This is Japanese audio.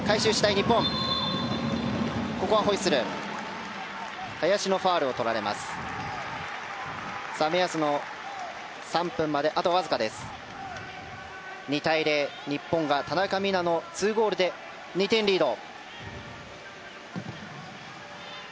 日本は田中美南の２ゴールで２点リード。